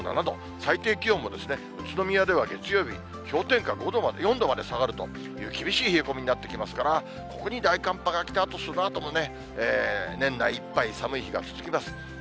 最低気温も宇都宮では月曜日、氷点下４度まで下がるという厳しい冷え込みなってきますから、ここに大寒波がきたあと、そのあともね、年内いっぱい、寒い日が続きます。